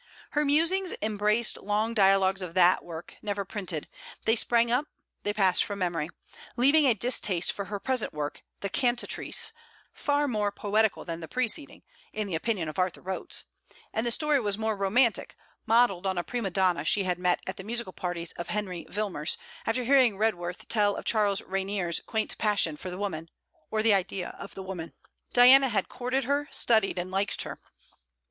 Her musings embraced long dialogues of that work, never printed; they sprang up, they passed from memory; leaving a distaste for her present work: THE CANTATRICE: far more poetical than the preceding, in the opinion of Arthur Rhodes; and the story was more romantic; modelled on a Prima Donna she had met at the musical parties of Henry Wilmers, after hearing Redworth tell of Charles Rainer's quaint passion for the woman, or the idea of the woman. Diana had courted her, studied and liked her.